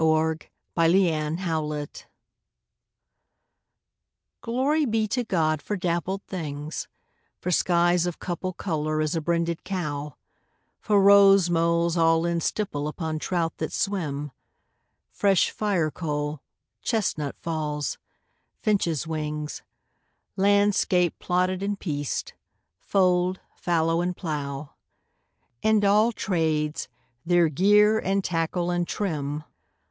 13 Pied Beauty GLORY be to God for dappled things For skies of couple colour as a brinded cow; For rose moles all in stipple upon trout that swim: Fresh firecoal chestnut falls; finches' wings; Landscape plotted and pieced fold, fallow, and plough; And àll tràdes, their gear and tackle and trim.